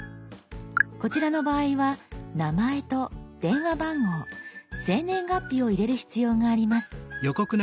こちらの場合は「名前」と「電話番号」「生年月日」を入れる必要があります。